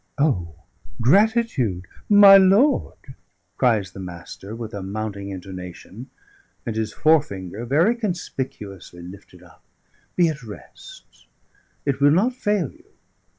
"O, gratitude, my lord!" cries the Master, with a mounting intonation, and his forefinger very conspicuously lifted up. "Be at rest: it will not fail you.